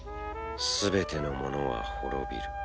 すべてのものは滅びる。